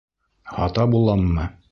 Һата буламмы?